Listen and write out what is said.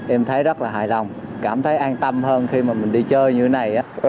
em thấy rất là hài lòng cảm thấy an tâm hơn khi mà mình đi chơi như thế này